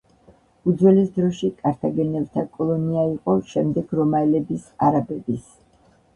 უძველეს დროში კართაგენელთა კოლონია იყო, შემდეგ რომაელების, არაბების.